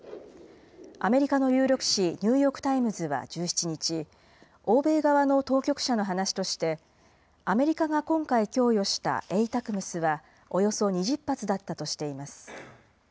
アメリカの有力紙、ニューヨーク・タイムズは１７日、欧米側の当局者の話として、アメリカが今回供与したＡＴＡＣＭＳはおよそ２０発だったとしています。